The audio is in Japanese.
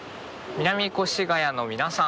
南越谷の皆さん